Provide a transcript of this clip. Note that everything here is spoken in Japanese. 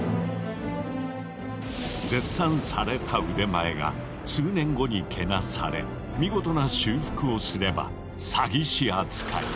絶賛された腕前が数年後にけなされ見事な修復をすれば詐欺師扱い。